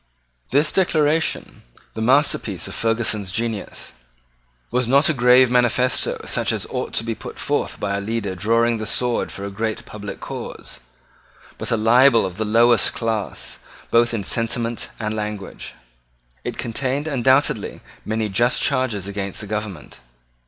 This Declaration, the masterpiece of Ferguson's genius, was not a grave manifesto such as ought to be put forth by a leader drawing the sword for a great public cause, but a libel of the lowest class, both in sentiment and language. It contained undoubtedly many just charges against the government.